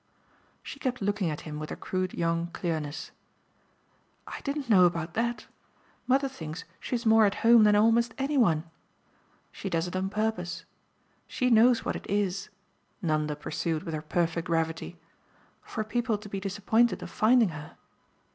She kept looking at him with her crude young clearness. "I didn't know about that. Mother thinks she's more at home than almost any one. She does it on purpose: she knows what it is," Nanda pursued with her perfect gravity, "for people to be disappointed of finding her."